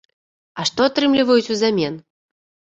А што атрымліваюць узамен?